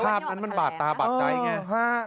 ภาพนั้นมันบาดตาบาดใจไง